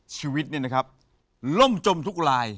ชีวิตเนี่ยนะครับล่มจมทุกลาย